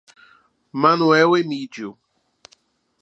Manoel Emídio